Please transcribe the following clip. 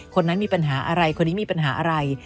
คนนั้นมีปัญหาอะไรคนนี้มีปัญหาอะไร